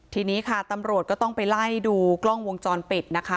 ทีนี้ค่ะตำรวจก็ต้องไปไล่ดูกล้องวงจรปิดนะคะ